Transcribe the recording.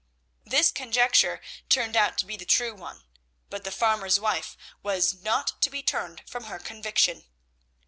This conjecture turned out to be the true one, but the farmer's wife was not to be turned from her conviction.